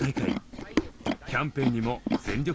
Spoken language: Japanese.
キャンペーンにも全力投球！